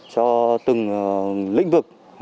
cho từng lĩnh vực